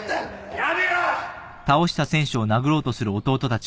やめろ！